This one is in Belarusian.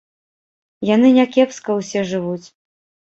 Яны някепска ўсе жывуць.